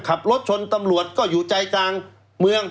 ขับรถชนตำรวจก็อยู่ใจกลางเมือง